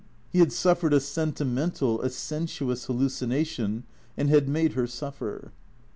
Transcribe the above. He had suffered a sentimental, a sensuous hallucination, and had made her suffer.